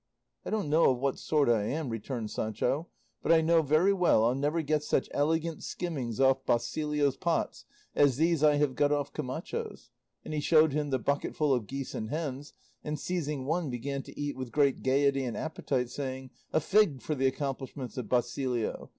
'" "I don't know of what sort I am," returned Sancho, "but I know very well I'll never get such elegant skimmings off Basilio's pots as these I have got off Camacho's;" and he showed him the bucketful of geese and hens, and seizing one began to eat with great gaiety and appetite, saying, "A fig for the accomplishments of Basilio!